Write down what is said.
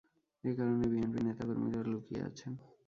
এ কারণে বিএনপির নেতা কর্মীরা লুকিয়ে আছেন।